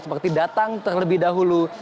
seperti datang terlebih dahulu